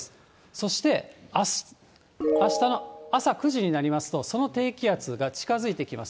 そして、あしたの朝９時になりますと、その低気圧が近づいてきます。